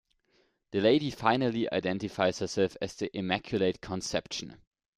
The lady finally identifies herself as "the Immaculate Conception".